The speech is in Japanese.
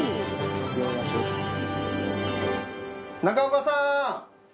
中岡さん。